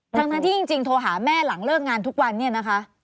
ทั้งที่จริงโทรหาแม่หลังเลิกงานทุกวันเนี่ยนะคะ